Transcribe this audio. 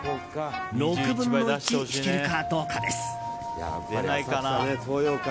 ６分の１、引けるかどうかです。